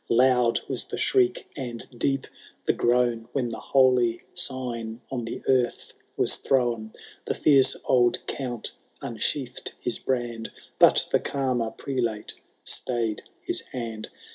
Loud was the shriek, and deep the groan. When the holy sign on the earth was thrown ! The fierce old Count imsheathed his brand, But the calmer Prelate stay'd his hand.